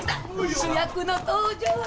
主役の登場や。